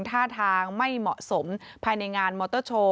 ท่าทางไม่เหมาะสมภายในงานมอเตอร์โชว